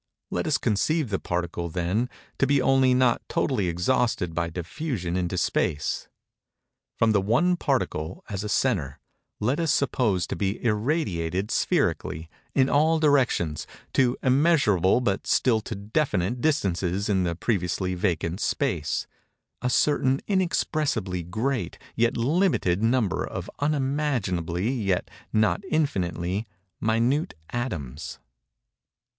Let us conceive the Particle, then, to be only not totally exhausted by diffusion into Space. From the one Particle, as a centre, let us suppose to be irradiated spherically—in all directions—to immeasurable but still to definite distances in the previously vacant space—a certain inexpressibly great yet limited number of unimaginably yet not infinitely minute atoms.